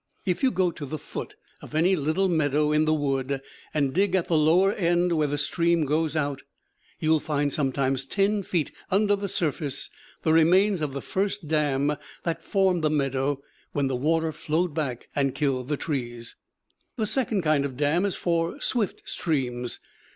If you go to the foot of any little meadow in the woods and dig at the lower end, where the stream goes out, you will find, sometimes ten feet under the surface, the remains of the first dam that formed the meadow when the water flowed back and killed the trees. The second kind of dam is for swift streams.